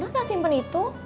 orang gak simpen itu